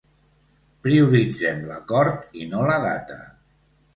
Prioritzem l’acord i no la data.